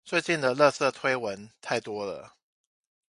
最近的垃圾推文太多了